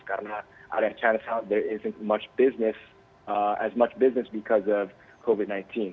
karena area chinatown tidak banyak bisnis banyak bisnis karena covid sembilan belas